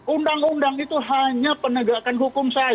undang undang itu hanya penegakan hukum saja